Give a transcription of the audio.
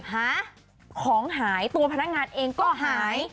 หาของหายตัวพนักงานเองก็หาย